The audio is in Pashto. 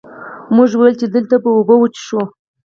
مونږ ويل چې دلته به اوبۀ وڅښو ـ